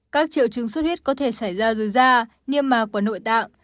các triệu chứng xuất huyết có thể xảy ra dưới da niêm mà của nội tạng